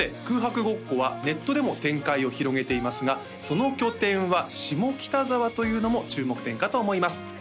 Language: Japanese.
空白ごっこはネットでも展開を広げていますがその拠点は下北沢というのも注目点かと思います